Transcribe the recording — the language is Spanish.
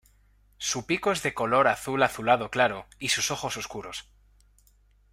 Su pico es de color azul azulado claro y sus ojos oscuros.